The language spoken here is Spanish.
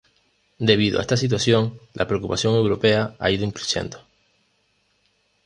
Debido a esta situación, la preocupación europea ha ido "in crescendo".